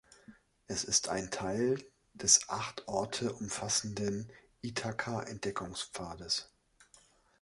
Es ist ein Teil des acht Orte umfassenden Ithaka-Entdeckungspfades.